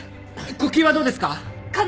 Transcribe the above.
呼吸はどうですか？